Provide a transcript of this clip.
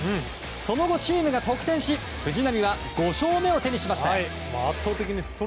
その後、チームが得点し藤浪は５勝目を手にしました。